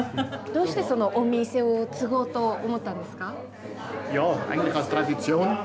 どうしてお店を継ごうと思ったんですか？